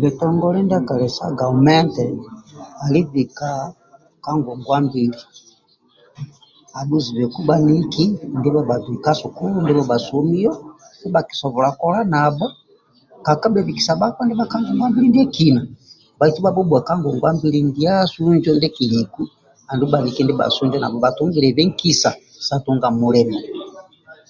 bitongole ndiakali da gavumenti ali bhika ka ngongwambili abuzibheku baniki ndibaba somiyo ndiba kisobola kola nabo kakabe bikisa bakpa ndba ka ngongwambili ndyekina baitu bubuwe ka ngongwambili ndiasu ndiekiliku anxulu baniki ndibasu nabo batungilyebe nkida sa tunga mulimo